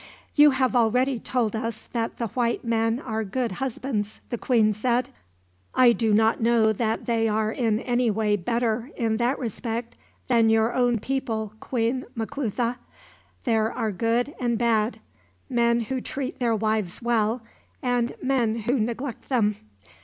"You have already told us that the white men are good husbands," the queen said. "I do not know that they are in any way better, in that respect, than your own people, Queen Maclutha. There are good and bad men who treat their wives well, and men who neglect them."